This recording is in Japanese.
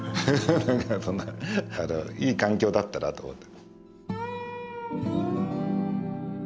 そんないい環境だったなと思って。